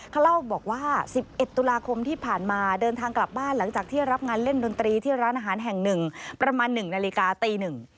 เขาเล่าบอกว่า๑๑ตุลาคมที่ผ่านมาเดินทางกลับบ้านหลังจากที่รับงานเล่นดนตรีที่ร้านอาหารแห่งหนึ่งประมาณ๑นาฬิกาตีหนึ่ง